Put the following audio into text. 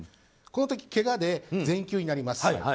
この時、けがで全休になります。